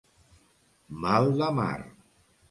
Mal de mar.